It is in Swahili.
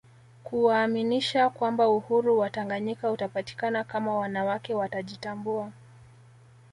Kuwaaminisha kwamba Uhuru wa Tanganyika utapatikana kama wanawake watajitambua